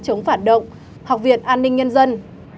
chống phản động học viện an ninh nhân dân